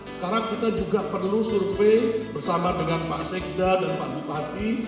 sekarang kita juga perlu survei bersama dengan pak sekda dan pak bupati